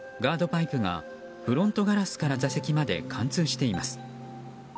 パイプがフロントガラスから座席まで貫通しています。